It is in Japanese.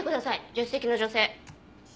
助手席の女性。